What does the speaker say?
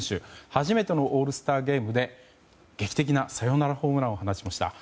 初めてのオールスターゲームで劇的なサヨナラホームランを放ちました。